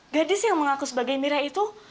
gadis yang mengaku sebagai mira itu